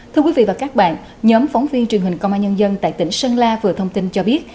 thưa quý vị và các bạn nhóm phóng viên truyền hình công an nhân dân tại tỉnh sơn la vừa thông tin cho biết